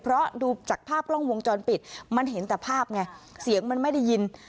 เพราะดูจากภาพกล้องวงจรปิดมันเห็นแต่ภาพไงเสียงมันไม่ได้ยิน